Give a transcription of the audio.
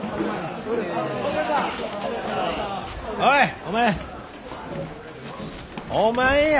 はい！